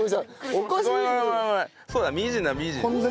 そうだみじんだみじん。